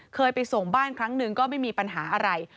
เคยไปส่งบ้านครั้งหนึ่งก็ไม่มีปัญหาอะไร